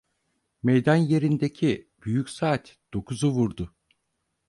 Meydan yerindeki büyük saat dokuzu vurdu…